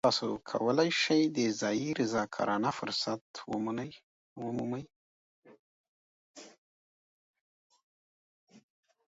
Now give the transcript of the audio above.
ایا تاسو کولی شئ د ځایی رضاکارانه فرصت ومومئ؟